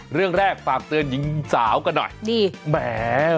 เรื่องแรกฝากเตือนหญิงสาวกันหน่อยดีแหม